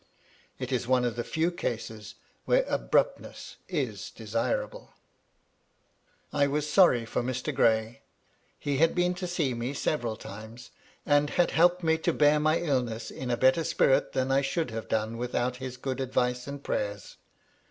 It is one of the few cases where abruptness is desirable." I was sorry for Mr. Gray. He had been to see me several times, and had helped me to bear my illness in a better spirit than I should have done without his good advice and prayers.